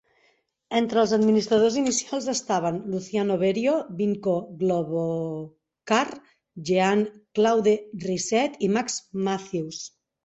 Entre els administradors inicials estaven Luciano Berio, Vinko Globokar, Jean-Claude Risset, i Max Mathews.